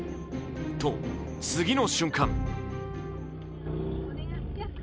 と、次の瞬間！